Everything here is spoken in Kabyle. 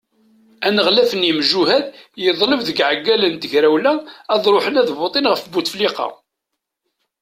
Aneɣlaf n yemjuhad yeḍleb deg iɛeggalen n tegrawla ad ṛuḥen ad votin ɣef Butefliqa.